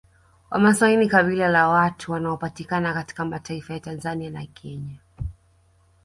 Wamasai ni kabila la watu wanaopatikana katika mataifa ya Tanzania na Kenya